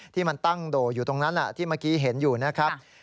ที่มันตั้งโด่อยู่ตรงนั้นที่เมื่อกี้เห็นอยู่นะครับ